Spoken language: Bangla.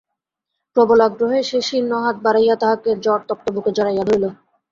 প্রবল আগ্রহে সে শীর্ণ হাত বাড়াইয়া তাহাকে জ্বরতপ্ত বুকে জড়াইয়া ধরিল।